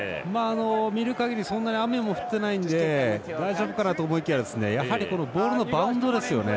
見るかぎりそんなに雨も降ってないので大丈夫かなと思いきやボールのバウンドですよね。